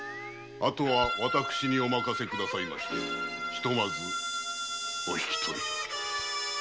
後は私にお任せくださいましてひとまずお引き取りを。